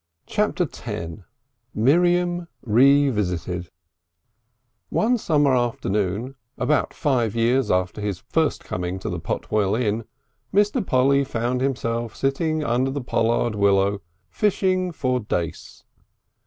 Chapter the Tenth Miriam Revisited I One summer afternoon about five years after his first coming to the Potwell Inn Mr. Polly found himself sitting under the pollard willow fishing for dace.